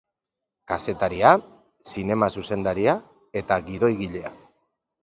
Kazetaria, zinema zuzendaria eta gidoigilea.